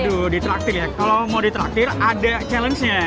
aduh ditraktir ya kalau mau ditraktir ada challenge nya